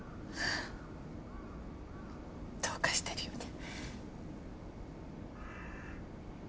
どうかしてるよね。